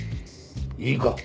いいか。